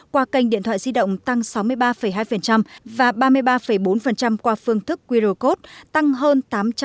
qua kênh điện thoại di động tăng sáu mươi ba hai và ba mươi ba bốn qua phương thức qr code tăng hơn tám trăm sáu mươi